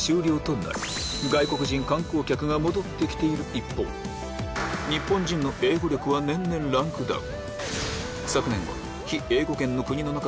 一方日本人の英語力は年々ランクダウン